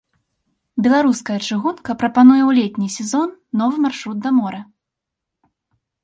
Беларуская чыгунка прапануе ў летні сезон новы маршрут да мора.